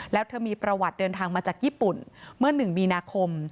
แล้วเธอมีประวัติเดินทางมาจากญี่ปุ่นเมื่อ๑มีนาคม